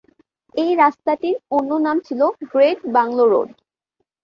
এই রাস্তাটির অন্য নাম ছিল গ্রেট বাংলো রোড।